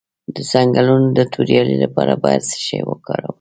د څنګلو د توروالي لپاره باید څه شی وکاروم؟